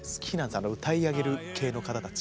あの歌い上げる系の方たち。